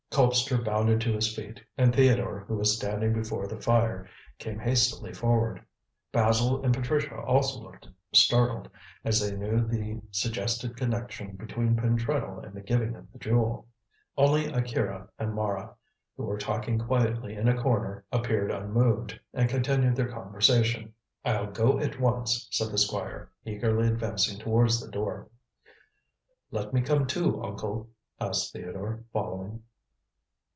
Colpster bounded to his feet, and Theodore, who was standing before the fire, came hastily forward. Basil and Patricia also looked startled, as they knew the suggested connection between Pentreddle and the giving of the jewel. Only Akira and Mara, who were talking quietly in a corner, appeared unmoved, and continued their conversation. "I'll go at once," said the Squire, eagerly advancing towards the door. "Let me come too, uncle," asked Theodore, following.